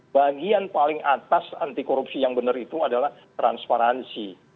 bagian paling atas anti korupsi yang benar itu adalah transparansi